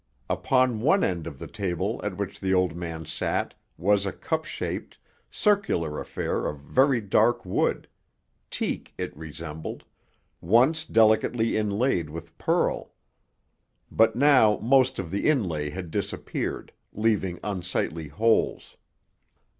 Upon one end of the table at which the old man sat was a cup shaped, circular affair of very dark wood teak, it resembled once delicately inlaid with pearl. But now most of the inlay had disappeared, leaving unsightly holes.